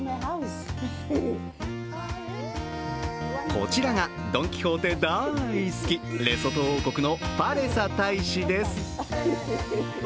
こちらが、ドン・キホーテ大好きレソト王国のパレサ大使です。